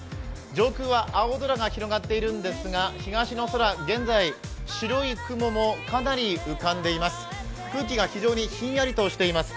上空は青空が広がっているんですが東の空、現在白い雲もかなり浮かんでいます。